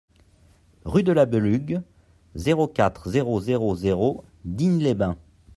Rue de la Belugue, zéro quatre, zéro zéro zéro Digne-les-Bains